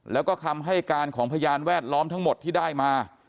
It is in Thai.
แล้วก็คำให้การของพยานแวดล้อมทั้งหมดที่ได้มา